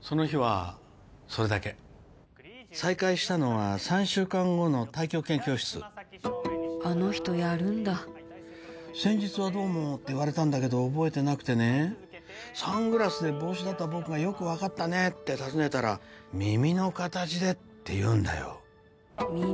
その日はそれだけ再会したのは３週間後の太極拳教室あの人やるんだ先日はどうもって言われたんだけど覚えてなくてねサングラスで帽子だった僕がよく分かったねって尋ねたら耳の形でって言うんだよ耳？